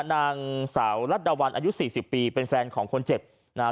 นางสาวรัดดาวันอายุสี่สิบปีเป็นแฟนของคนเจ็บนะฮะ